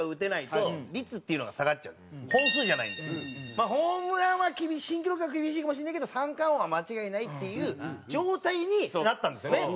まあホームランは新記録は厳しいかもしれないけど三冠王は間違いないっていう状態になったんですよね。